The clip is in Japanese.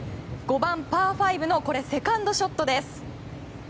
５番、パー５のセカンドショットです。